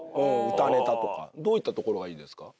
歌ネタとかどういったところがいいですか？